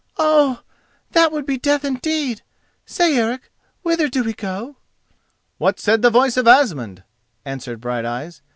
Oh! that would be death indeed! Say, Eric, whither do we go?" "What said the voice of Asmund?" answered Brighteyes.